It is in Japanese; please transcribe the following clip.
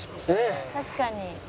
「確かに」